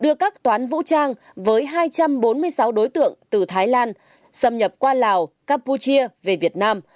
đưa các toán vũ trang với hai trăm bốn mươi sáu đối tượng từ thái lan xâm nhập qua lào campuchia về việt nam